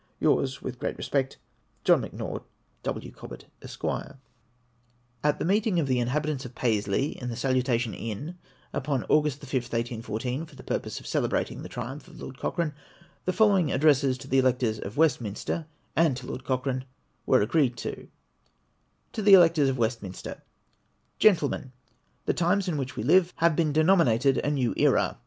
Yours, with great respect, John M'Naught. W. Cobbett, Esq. PAISLEY ADDRESS TO ELECTORS OF WESTMINSTER, 463 At a meeting of a number of inhabitants of Paisley, in the Sahitation Inn, upon August the 5th, 1814, for the purpose of celebrating the triumph of Lord Cochrane, the following addresses to the Electors of Westminster, and to Lord Cochrane, were agreed to :— TO THE ELECTORS OP WESTMINSTER. GrENTLEMEN, — The times in which we live have been de nominated a new era.